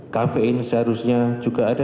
kafein seharusnya juga ada